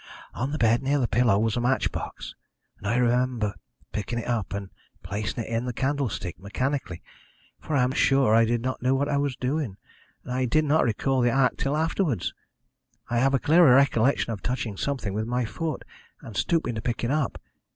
On the bed, near the pillow, was a match box, and I remember picking it up and placing it in the candlestick mechanically, for I am sure I did not know what I was doing, and I did not recall the act till afterwards. I have a clearer recollection of touching something with my foot, and stooping to pick it up.